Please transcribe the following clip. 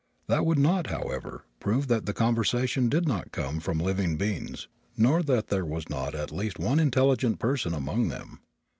That would not, however, prove that the conversation did not come from living beings nor that there was not at least one intelligent person among them.